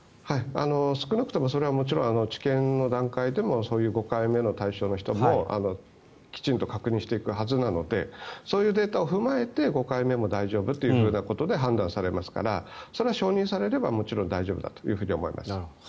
少なくともそれはもちろん治験の段階でもそういう５回目の対象の人もきちんと確認していくはずなのでそういうデータを踏まえて５回目も大丈夫ということで判断されますからそれは承認されればもちろん大丈夫だと思います。